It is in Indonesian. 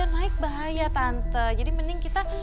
naik bahaya tante jadi mending kita